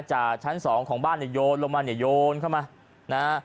จากชั้นสองของบ้านเนี่ยโยนลงมาเนี่ยโยนเข้ามานะฮะ